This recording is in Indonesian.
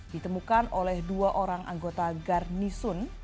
ditemukan oleh dua orang anggota garnisun